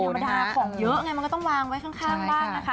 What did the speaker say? ธรรมดาของเยอะไงมันก็ต้องวางไว้ข้างบ้างนะคะ